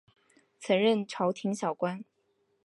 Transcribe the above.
曾任朝廷小官。